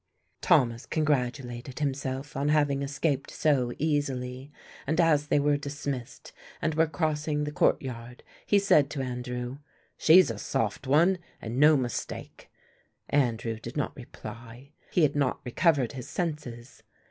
Thomas congratulated himself on having escaped so easily, and as they were dismissed and were crossing the courtyard he said to Andrew, "She is a soft one and no mistake." Andrew did not reply; he had not recovered his senses.